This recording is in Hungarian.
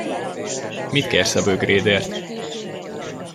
Mit kérsz a bögrédért?